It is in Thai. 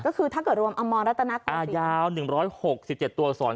ก็คือถ้าเกิดรวมอมรรตนักอ่ายาวหนึ่งร้อยหกสิบเจ็ดตัวสอน